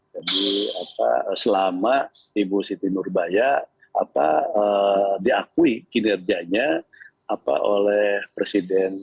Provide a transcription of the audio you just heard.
jadi selama ibu siti nurbaya diakui kinerjanya oleh presiden pak